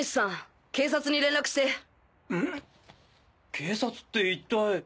警察って一体。